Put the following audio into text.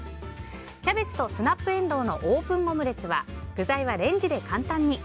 キャベツとスナップエンドウのオープンオムレツは具材はレンジで簡単に。